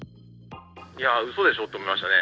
いやぁ、うそでしょと思いましたね。